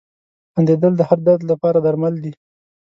• خندېدل د هر درد لپاره درمل دي.